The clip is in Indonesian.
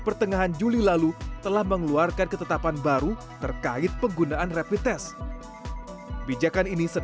pertengahan juli lalu telah mengeluarkan ketetapan baru terkait penggunaan rapid test bijakan ini